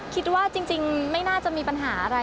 คิดว่าจริงไม่น่าจะมีปัญหาอะไร